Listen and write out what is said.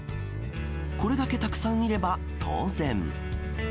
これだけたくさんいれば当然。